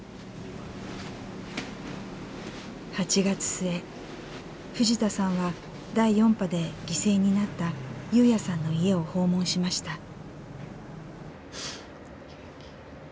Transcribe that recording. ８月末藤田さんは第４波で犠牲になった優也さんの家を訪問しました。